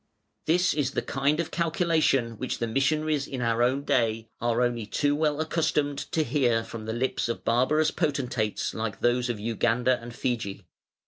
This is the kind of calculation which the missionaries in our own day are only too well accustomed to hear from the lips of barbarous potentates like those of Uganda and Fiji.